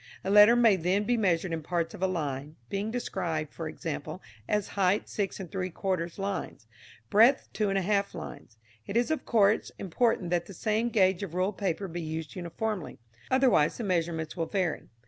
A letter may then be measured in parts of a line, being described, for example, as, height 6 3/4 lines, breadth 2 1/2 lines. It is of course important that the same gauge of ruled paper be used uniformly, otherwise the measurements will vary.